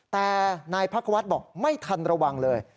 แต่นายพักควัฒน์บอกไม่ทันระวังเลย